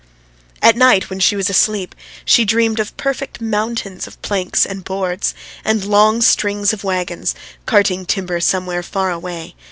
At night when she was asleep she dreamed of perfect mountains of planks and boards, and long strings of wagons, carting timber somewhere far away.